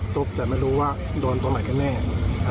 จะในดูว่าโดนตัวหมดก็แน่นะครับ